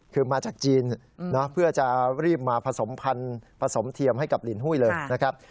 คือมาจากจีนเพื่อจะรีบมาผสมพันธุ์ผสมเทียมให้กับลินหุ้ยเลยนะครับ